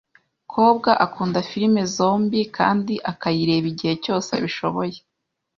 Kobwa akunda firime zombie kandi akayireba igihe cyose abishoboye.